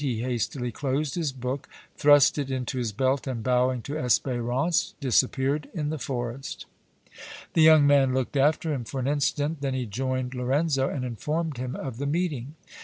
He hastily closed his book, thrust it into his belt, and, bowing to Espérance, disappeared in the forest. The young man looked after him for an instant; then he joined Lorenzo and informed him of the meeting.